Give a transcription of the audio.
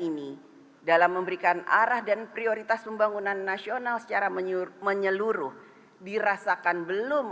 ini dalam memberikan arah dan prioritas pembangunan nasional secara menyeluruh dirasakan belum